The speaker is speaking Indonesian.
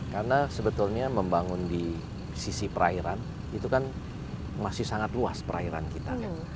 karena sebetulnya membangun di sisi perairan itu kan masih sangat luas perairan kita kan